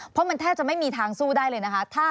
เพราะมันแทบจะไม่มีทางสู้ได้เลยนะคะ